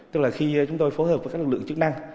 tức là khi chúng tôi phối hợp với các lực lượng chức năng